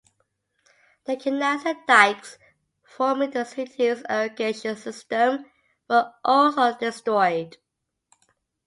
The canals and dykes forming the city's irrigation system were also destroyed.